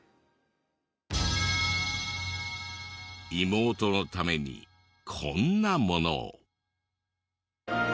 妹のためにこんなものを。